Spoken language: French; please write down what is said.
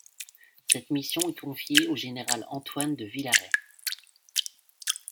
Cette mission est confiée au général Antoine de Villaret.